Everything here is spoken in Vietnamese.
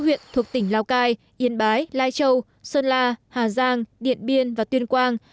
huyện thuộc tỉnh lào cai yên bái lai châu sơn la hà giang điện biên và tuyên quang